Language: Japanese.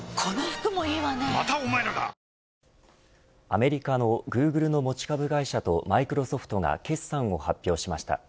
アメリカのグーグルの持ち株会社とマイクロソフトが決算を発表しました。